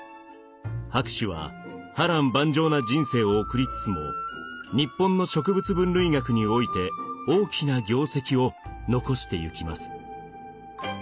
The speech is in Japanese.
博士は波乱万丈な人生を送りつつも日本の植物分類学において大きな業績を残してゆきます。